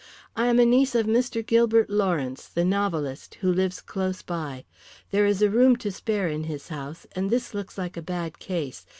I am a niece of Mr. Gilbert Lawrence, the novelist, who lives close by. There is a room to spare in his house, and this looks like a bad case.